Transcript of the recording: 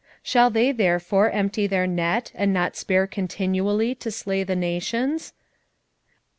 1:17 Shall they therefore empty their net, and not spare continually to slay the nations?